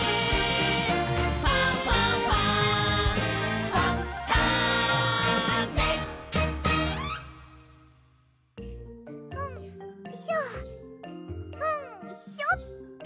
「ファンファンファン」うんしょうんしょっと。